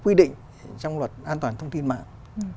quy định trong luật an toàn thông tin mạng